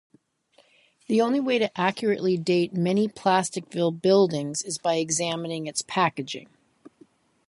The only way to accurately date many Plasticville buildings is by examining its packaging.